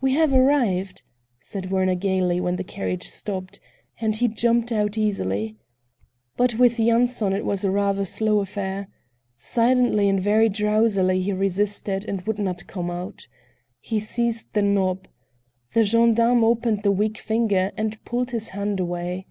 "We have arrived!" said Werner gayly when the carriage stopped, and he jumped out easily. But with Yanson it was a rather slow affair: silently and very drowsily he resisted and would not come out. He seized the knob. The gendarme opened the weak fingers and pulled his hand away.